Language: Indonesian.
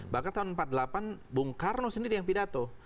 bahkan tahun empat puluh delapan bung karno sendiri yang pidato